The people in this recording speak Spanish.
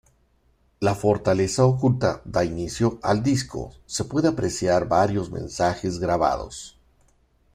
La Fortaleza Oculta da inicio al disco se pueden apreciar varios mensajes grabados.